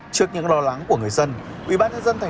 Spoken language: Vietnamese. trước những lo lắng của người dân ubnd tp con tum